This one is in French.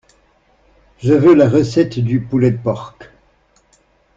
Je veux la recette du pulled pork.